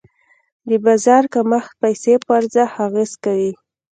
د بازار د کمښت پیسې په ارزښت اغېز کوي.